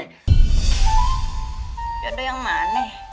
yaudah yang mana